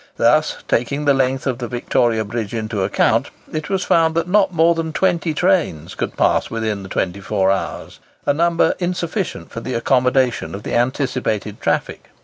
Thus, taking the length of the Victoria Bridge into account, it was found that not more than 20 trains could pass within the 24 hours, a number insufficient for the accommodation of the anticipated traffic.